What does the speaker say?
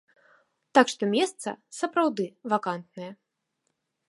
Так, што месца, сапраўды, вакантнае.